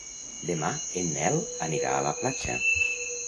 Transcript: Demà en Nel anirà a la platja.